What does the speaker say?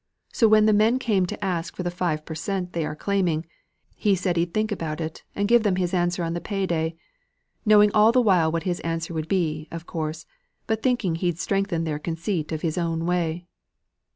So when the men came to ask for the five per cent. they are claiming, he told 'em he'd think about it, and give them his answer on the pay day; knowing all the while what his answer would be, of course, but thinking he'd strengthen their conceit of their own way.